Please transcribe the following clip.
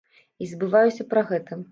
І забываюся пра гэта.